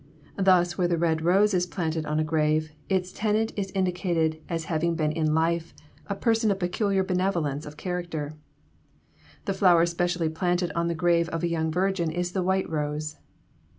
Thus where the red rose is planted on a grave, its tenant is indicated as having been in life a person of peculiar benevolence of character. The flower specially planted on the grave of a young virgin is the white rose.